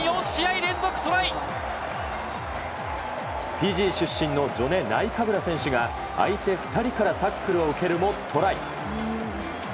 フィジー出身のジョネ・ナイカブラ選手が相手２人からタックルを受けるもトライ。